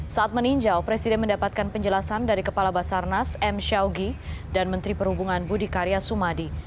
saat meninjau presiden mendapatkan penjelasan dari kepala basarnas m syawgi dan menteri perhubungan budi karya sumadi